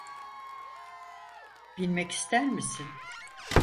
Binmek ister misin?